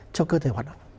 cho cơ thể hoạt động